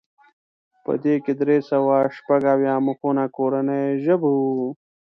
په دې کې درې سوه شپږ اویا مخونه کورنیو ژبو وو.